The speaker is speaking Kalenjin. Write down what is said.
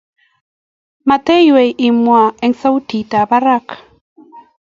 matiywei imwaa eng sautitab barak